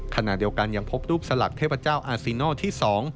ขณะเดียวกันยังพบรูปสลักเทพเจ้าอาซิโนที่๒